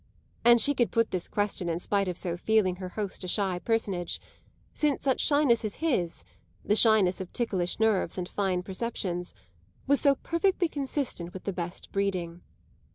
And she could put this question in spite of so feeling her host a shy personage; since such shyness as his the shyness of ticklish nerves and fine perceptions was perfectly consistent with the best breeding.